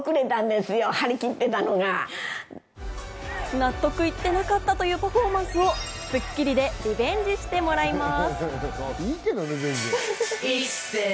納得いってなかったというパフォーマンスを『スッキリ』でリベンジしてもらいます。